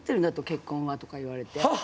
結婚は」とか言われて。